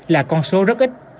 là con số rất ít